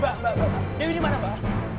mbak mbak mbak dewi di mana mbak